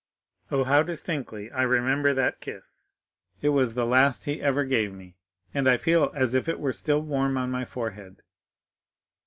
Oh, how distinctly I remember that kiss!—it was the last he ever gave me, and I feel as if it were still warm on my forehead.